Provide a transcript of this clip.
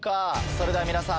それでは皆さん